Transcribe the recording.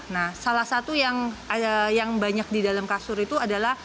nah salah satu yang banyak di dalam kasur itu adalah